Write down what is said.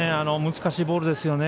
難しいボールですよね。